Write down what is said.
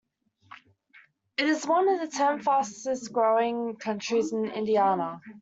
It is one of the ten fastest-growing counties in Indiana.